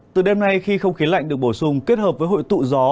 từ đêm nay khi không khí lạnh được bổ sung kết hợp với hội tụ gió